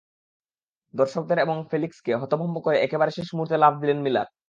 দর্শকদের, এবং ফেলিক্সকে, হতভম্ব করে একেবারে শেষ মুহূর্তে লাফ দিলেন মিলার।